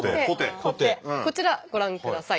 こちらご覧ください。